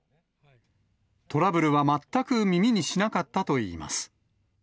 トラブルは全く耳にしなかったといいます。